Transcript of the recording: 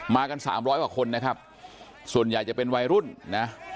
กันสามร้อยกว่าคนนะครับส่วนใหญ่จะเป็นวัยรุ่นนะ